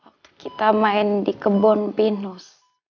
waktu kita main di kebun pinus